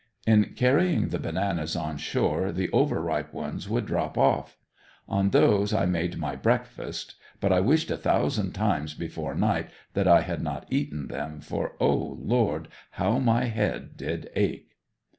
In carrying the bananas on shore the over ripe ones would drop off. On those I made my breakfast, but I wished a thousand times before night that I had not eaten them, for Oh Lord, how my head did ache!